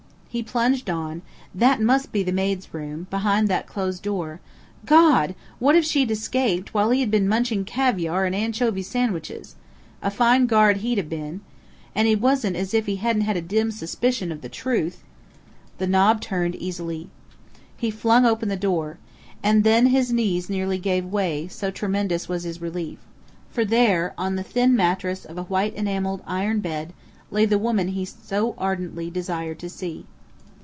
He plunged on.... That must be the maid's room, behind that closed door.... God! What if she had escaped, while he had been munching caviar and anchovy sandwiches? A fine guard he'd been!... And it wasn't as if he hadn't had a dim suspicion of the truth.... The knob turned easily. He flung open the door. And then his knees nearly gave way, so tremendous was his relief. For there, on the thin mattress of a white enameled iron bed, lay the woman he so ardently desired to see.